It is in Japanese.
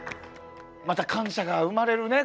また感謝が生まれるね。